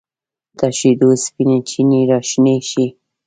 تر شیدو سپینې چینې راشنې شي